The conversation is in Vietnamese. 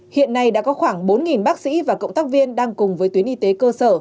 hiện nay đã có khoảng bốn bác sĩ và cộng tác viên đang cùng với tuyến y tế cơ sở